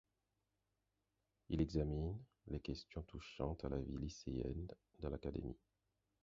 Il examine les questions touchant à la vie lycéenne dans l'académie.